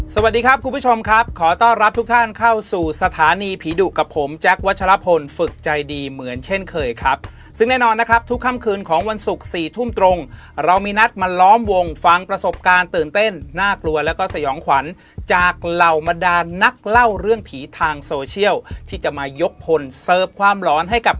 สวัสดีครับคุณผู้ชมครับขอต้อนรับทุกท่านเข้าสู่สถานีผีดุกับผมแจ๊ควัชลพลฝึกใจดีเหมือนเช่นเคยครับซึ่งแน่นอนนะครับทุกค่ำคืนของวันศุกร์สี่ทุ่มตรงเรามีนัดมาล้อมวงฟังประสบการณ์ตื่นเต้นน่ากลัวแล้วก็สยองขวัญจากเหล่าบรรดานนักเล่าเรื่องผีทางโซเชียลที่จะมายกพลเสิร์ฟความหลอนให้กับ